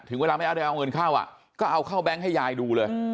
เวลาไม่เอาได้เอาเงินเข้าก็เอาเข้าแบงค์ให้ยายดูเลย